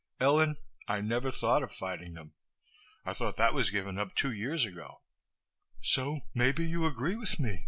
"Ellen, I never thought of fighting them. I thought that was given up two years ago." "So maybe you agree with me?